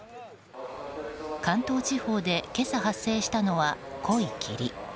関東地方で今朝発生したのは濃い霧。